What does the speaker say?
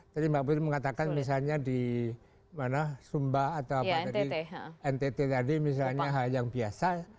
tadi mbak putri mengatakan misalnya di sumba atau ntt tadi misalnya yang biasa